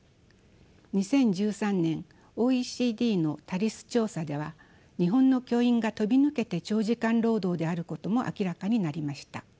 ２０１３年ＯＥＣＤのＴＡＬＩＳ調査では日本の教員が飛び抜けて長時間労働であることも明らかになりました。